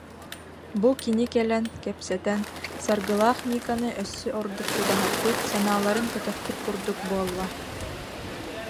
Бу кини кэлэн, кэпсэтэн Саргылаах Никаны өссө өрдук чугаһаппыт, санааларын көтөхпүт курдук буолла